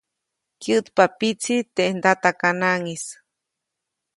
Kyäʼtpa pitsi teʼ ndatakanaʼŋʼis.